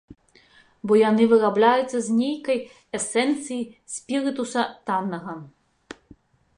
Бо яны вырабляюцца з нейкай эсэнцыі, спірытуса таннага.